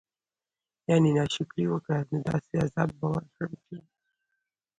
يعني نا شکري وکړه نو داسي عذاب به ورکړم چې